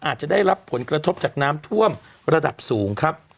อาจจะได้รับผลกระทบจากน้ำท่วมระดับสูงครับ